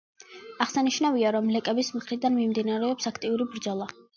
აღსანიშნავია, რომ ლეკების მხრიდან მიმდინარეობს აქტიური ბრძოლა.